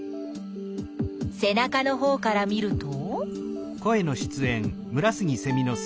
せなかのほうから見ると？